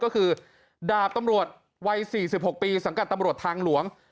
ก็คือดาบตำรวจวัย๔๖ปีสังกัดตำรวจทางหลวง